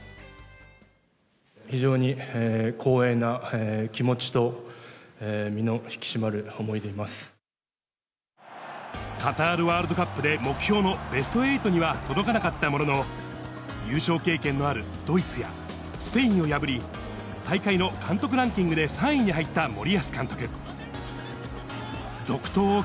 非常に光栄な気持ちと、カタールワールドカップで目標のベスト８には届かなかったものの、優勝経験のあるドイツやスペインを破り、大会の監督ランキングで３位に入った森保監督。